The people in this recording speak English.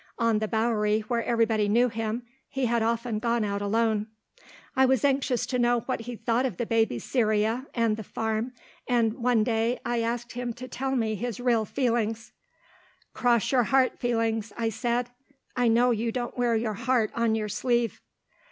On the Bowery where everybody knew him, he had often gone out alone. I was anxious to know what he thought of the baby Cyria, and the farm, and one day I asked him to tell me his real feelings. "Cross your heart feelings," I said. "I know you don't wear your heart on your sleeve."